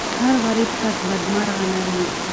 هر غریب کس بدمرغه نه وي.